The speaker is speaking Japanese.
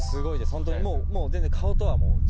本当にもう全然顔とはもう違う。